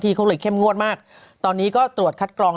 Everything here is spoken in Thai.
ที่ทำการถึงทุญญาณใน๘องศานำงดดำ